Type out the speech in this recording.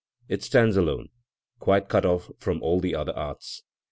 It stands alone, quite cut off from all the other arts.